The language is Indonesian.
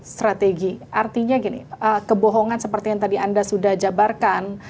strategi artinya gini kebohongan seperti yang tadi anda sudah jabarkan